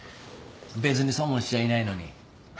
別に損もしちゃいないのに。